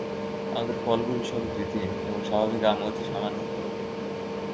আমাদের ফলগুলি সবই কৃত্রিম এবং স্বাভাবিক আম অতি সামান্য ফল।